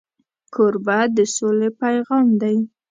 کوربه د سولې پیغام دی.